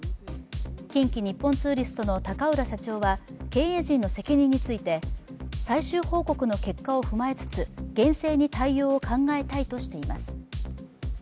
近畿日本ツーリストの高浦社長は経営陣の責任について最終報告の結果を踏まえつつ厳正に対応を考えたいとしています。